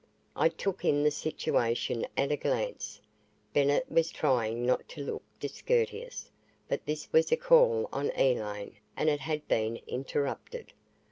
I took in the situation at a glance. Bennett was trying not to look discourteous, but this was a call on Elaine and it had been interrupted.